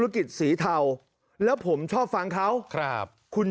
มองเห็นภาพเห็นที่มาที่ไป